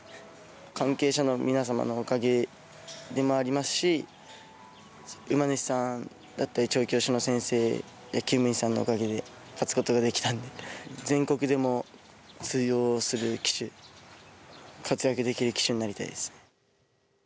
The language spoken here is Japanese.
関係者の皆さまのおかげでもありますし馬主さんだったり、調教師の先生きゅう務員さんのおかげで勝つことができたんで全国でも通用する騎手に活躍できる騎手になりたいです。